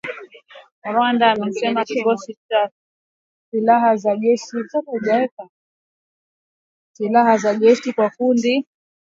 Rwanda inasema kwamba haina mwanajeshi na majina kama hayo katika kikosi chake